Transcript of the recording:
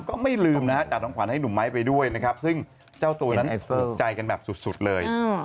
ก็ไม่ลืมนะฮะจัดของขวัญให้หนุ่มไม้ไปด้วยนะครับซึ่งเจ้าตัวนั้นใจกันแบบสุดเลย